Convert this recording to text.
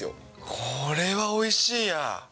これはおいしいや。